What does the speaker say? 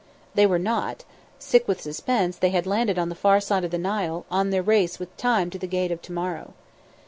They were not. Sick with suspense, they had landed on the far side of the Nile, on their race with Time to the Gate of To morrow.